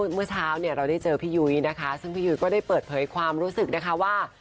เมื่อเช้าเนี่ยเราได้เจอพี่ยุ้ยนะคะซึ่งพี่ยุ้ยก็ได้เปิดเผยความรู้สึกนะคะว่า